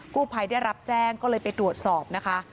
ผู้ภัยได้รับแจ้งก็เลยไปตรวจสอบนะคะ